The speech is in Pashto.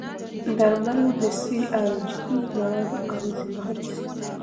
درمل د سي ار جي پي موادو اغېزې مخه نیسي.